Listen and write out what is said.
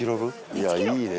いやいいね